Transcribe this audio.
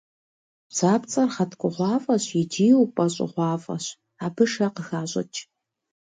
Бдзапцӏэр гъэткӏугъуафӏэщ икӏи упӏэщӏыгъуафӏэщ, абы шэ къыхащӏыкӏ.